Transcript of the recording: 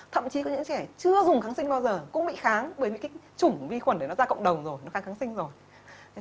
thậm chí có những trẻ chưa dùng kháng sinh bao giờ cũng bị kháng bởi những cái chủng vi khuẩn đấy nó ra cộng đồng rồi nó kháng kháng sinh rồi